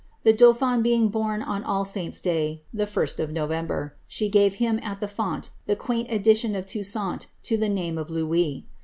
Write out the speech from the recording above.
The dauphin beinf bom on All Saints^ Day, the 1st of November, she gave him at the font the qusifll addition of Toussaint to the name of Louis.